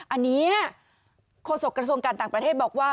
อันนี้โฆษกระทรวงการต่างประเทศบอกว่า